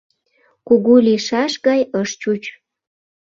Кугу лийшаш гай ыш чуч.